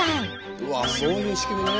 うわっそういう仕組みね。